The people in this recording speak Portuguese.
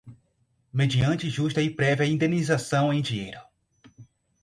mediante justa e prévia indenização em dinheiro